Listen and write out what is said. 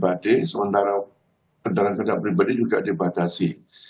jalan tol adalah kendaraan pribadi sementara kendaraan pribadi juga dibatasi